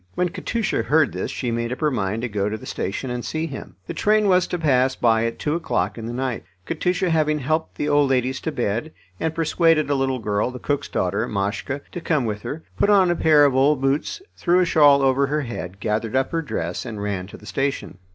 When Katusha heard this she made up her mind to go to the station and see him. The train was to pass by at two o'clock in the night. Katusha having helped the old ladies to bed, and persuaded a little girl, the cook's daughter, Mashka, to come with her, put on a pair of old boots, threw a shawl over her head, gathered up her dress, and ran to the station.